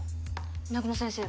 南雲先生が？